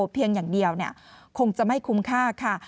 เพียงอย่างเดียวคงจะไม่คุ้มค่าค่ะ